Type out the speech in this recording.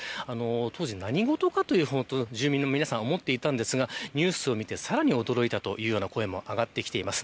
当時、何事かと住民の皆さん思っていたんですがニュースを見て、さらに驚いたという声も上がってきています。